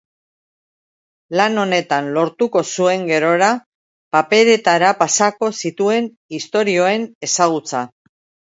Lan honetan lortuko zuen gerora paperetara pasako zituen istorioen ezagutza.